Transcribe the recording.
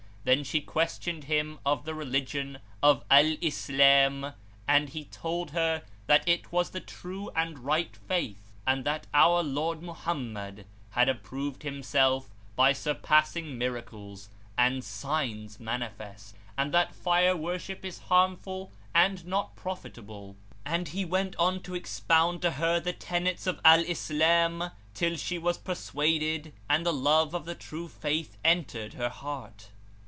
Then she questioned him of the religion of Al Islam and he told her that it was the true and right Faith and that our lord Mohammed had approved himself by surpassing miracles[FN#400] and signs manifest, and that fire worship is harmful and not profitable; and he went on to expound to her the tenets of Al Islam till she was persuaded and the love of the True Faith entered her heart.